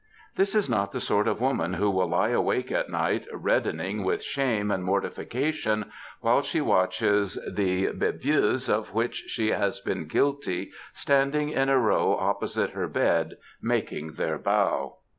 This is not the sort of woman who will lie awake at night red dening with shame and mortification while she watches the bdvues of which she has been guilty, standing in a row opposite her bed making their bow.